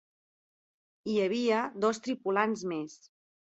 Hi havia dos tripulants més.